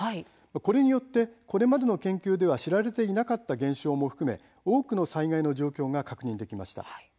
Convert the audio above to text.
これによってこれまでの研究では知られていなかった現象も含め多くの災害の状況が確認できました。